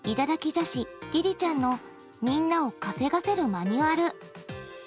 女子りりちゃんのみんなを稼がせるマニュアル。